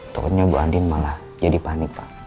takutnya bu andien malah jadi panik pak